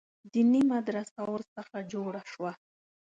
دیني مدرسه ورڅخه جوړه سوه.